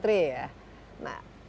tidak ada penukaran